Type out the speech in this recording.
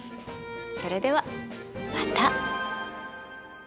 それではまた。